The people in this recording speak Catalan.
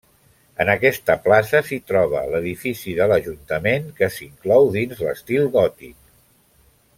En aquesta plaça s'hi troba l'edifici de l'ajuntament que s'inclou dins l'estil gòtic.